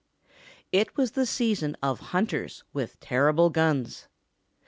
It was the season of hunters with terrible guns.